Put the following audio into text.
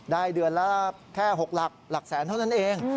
เดือนละแค่๖หลักแสนเท่านั้นเอง